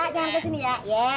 jangan kesini ya